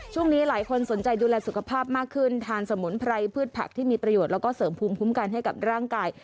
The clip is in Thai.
ช่วงนี้หลายคนสนใจดูแลสุขภาพมากขึ้นทานสมุนไพรพืชผักที่มีประโยชน์แล้วก็เสริมภูมิคุ้มกันให้กับร่างกาย